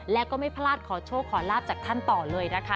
แล้วก็ไม่พลาดขอโชคขอลาบจากท่านต่อเลยนะคะ